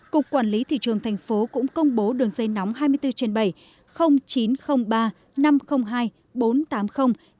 cục quản lý thị trường thành phố cũng công bố đường dây nóng hai mươi bốn trên bảy chín trăm linh ba năm trăm linh hai bốn trăm tám mươi